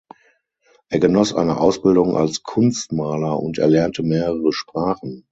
Er genoss eine Ausbildung als Kunstmaler und erlernte mehrere Sprachen.